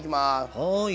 はい。